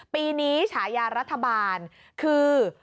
ปีนี้ฉายารัฐบาลคือ